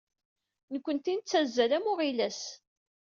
Nekkenti nettazzal am uɣilas.